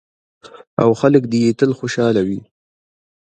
او خلک دې یې تل خوشحاله وي.